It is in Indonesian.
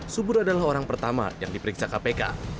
subur adalah orang pertama yang diperiksa kpk